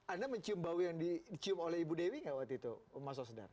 anda mencium bau yang dicium oleh ibu dewi nggak waktu itu mas osdar